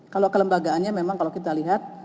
kalau kelembagaannya memang kalau kita lihat